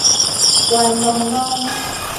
懸瑯瑯